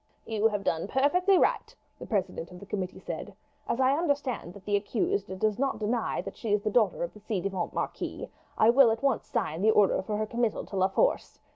"You have done perfectly right," the president of the committee said. "As I understand that the accused does not deny that she is the daughter of the ci devant marquis, I will at once sign the order for her committal to La Force.